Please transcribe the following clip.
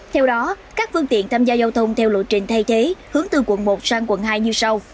theo đó các phương tiện tham gia giao thông theo lộ trình thay thế hướng từ quận một sang quận hai như sau